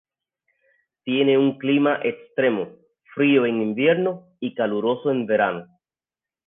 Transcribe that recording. Tiene un clima extremo, frío en invierno y caluroso en verano.